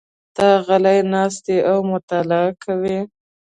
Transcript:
ته غلی ناست یې او مطالعه کوې.